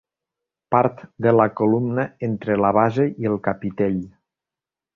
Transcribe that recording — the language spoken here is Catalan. Part de la columna entre la base i el capitell.